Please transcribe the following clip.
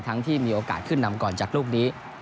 ที่มีโอกาสขึ้นนำก่อนจากลูกนี้